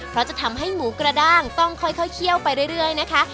เพราะจะทำให้หมูกระด้างต้องค่อยเคี่ยวไปเรื่อยนะคะ